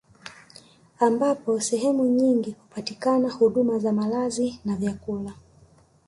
Ambapo sehemu nyingi hupatikana huduma za malazi na vyakula